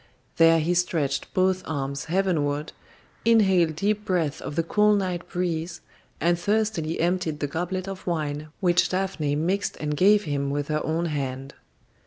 There he stretched both arms heavenward, inhaled deep breaths of the cool night breeze, and thirstily emptied the goblet of wine which Daphne mixed and gave him with her own hand.